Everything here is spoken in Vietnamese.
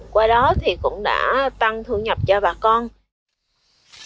qua đó thì cũng đã tăng thu nhập cho bà con